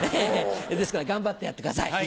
ですから頑張ってやってください。